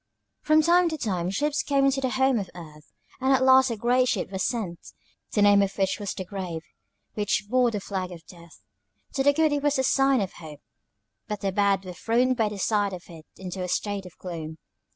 "From time to time ships came to the Home of Earth, and at last a great ship was sent, the name of which was The Grave, which bore the flag of Death. To the good it was a sign of hope, but the bad were thrown by the sight of it into a state of gloom.